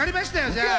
じゃあ。